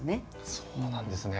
そうなんですね。